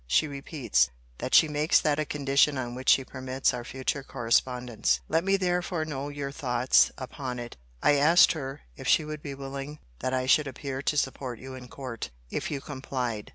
She repeats, that she makes that a condition on which she permits our future correspondence. Let me therefore know your thoughts upon it. I asked her, if she would be willing that I should appear to support you in court, if you complied?